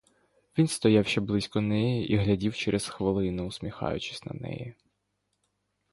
Він стояв ще близько неї і глядів через хвилину, усміхаючись, на неї.